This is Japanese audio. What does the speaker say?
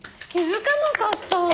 気づかなかった。